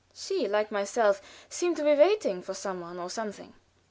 She, like myself, seemed to be waiting for some one or something.